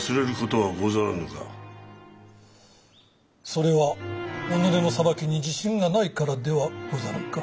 それは己の裁きに自信がないからではござらぬか？